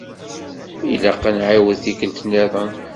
Ilaq ad nɛiwed tikelt-nniḍen.